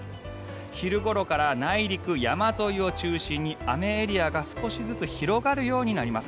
昼ごろから内陸山沿いを中心に雨エリアが少しずつ広がるようになります。